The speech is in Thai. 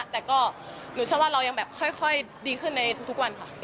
แต่ก็หนูเชื่อว่าเรายังแบบค่อยดีขึ้นในทุกวันค่ะ